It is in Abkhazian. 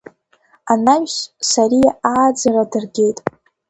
Анаҩс, Сариа ааӡара дыргеит.